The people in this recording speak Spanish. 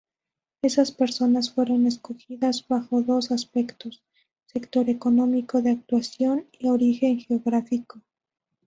Esas personas fueron escogidas bajo dos aspectos: sector económico de actuación y origen geográfico.